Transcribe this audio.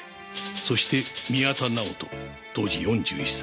そして宮田直人当時４１歳。